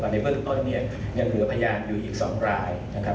ในเบื้องต้นเนี่ยยังเหลือพยานอยู่อีก๒รายนะครับ